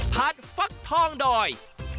ผัดฟักทองดอย